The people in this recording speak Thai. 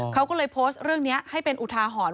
เขาก็เลยโพสต์เรื่องนี้ให้เป็นอุทาหรณ์